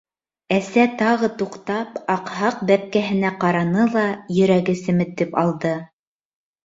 Әсә тағы туҡтап, аҡһаҡ бәпкәһенә ҡараны ла, йөрәге семетеп алды.